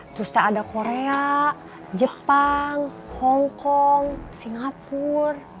terus teh ada korea jepang hong kong singapur